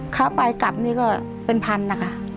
เข้าไปกลับนี่ก็เป็นพันธุ์นะคะ